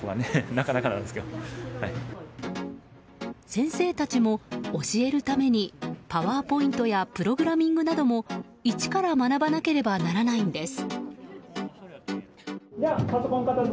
先生たちも、教えるためにパワーポイントやプログラミングなども一から学ばなければならないんです。